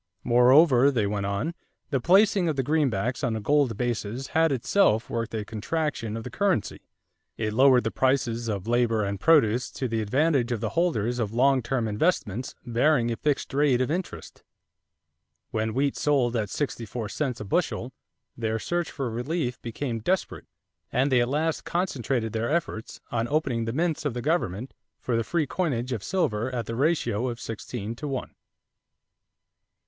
Moreover, they went on, the placing of the greenbacks on a gold basis had itself worked a contraction of the currency; it lowered the prices of labor and produce to the advantage of the holders of long term investments bearing a fixed rate of interest. When wheat sold at sixty four cents a bushel, their search for relief became desperate, and they at last concentrated their efforts on opening the mints of the government for the free coinage of silver at the ratio of sixteen to one.